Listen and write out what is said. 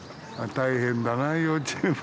大変だな幼稚園も。